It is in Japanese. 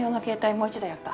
もう１台あった。